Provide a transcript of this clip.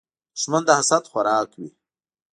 دښمن د حسد خوراک وي